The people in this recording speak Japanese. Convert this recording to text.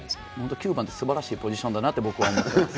９番って、すばらしいポジションかなと思っています。